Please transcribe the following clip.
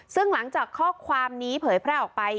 ซึ่งหลังจากข้อความนี้เผยแพร่ออกไป